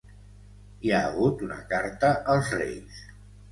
hi ha hagut una carta als Reis